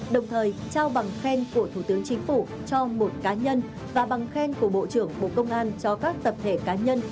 đồng thời trao bằng khen của thủ tướng chính phủ cho một cá nhân và bằng khen của bộ trưởng bộ công an cho các tập thể cá nhân